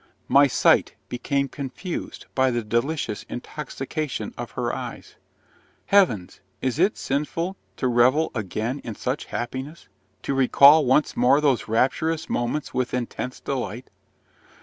My sight became confused by the delicious intoxication of her eyes. Heavens! is it sinful to revel again in such happiness, to recall once more those rapturous moments with intense delight?